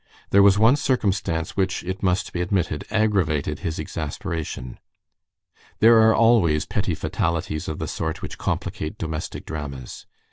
There was one circumstance which, it must be admitted, aggravated his exasperation. There are always petty fatalities of the sort which complicate domestic dramas.